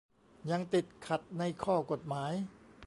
ยังติดขัดในข้อกฎหมาย